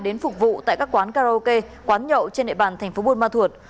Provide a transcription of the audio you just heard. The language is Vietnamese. đến phục vụ tại các quán karaoke quán nhậu trên địa bàn tp buôn ma thuột